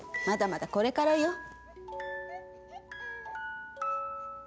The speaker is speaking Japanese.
まだまだこれからよ。